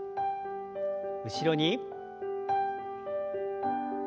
後ろに。